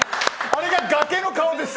あれが、崖の顔です。